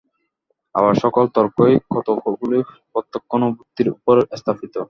আবার সকল তর্কই কতকগুলি প্রত্যক্ষানুভূতির উপর স্থাপিত।